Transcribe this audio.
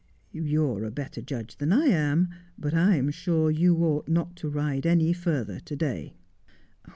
' You are a better judge than I am, but I am sure you ought not to ride any further to day.'